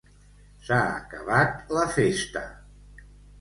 S'ha acabat la festa!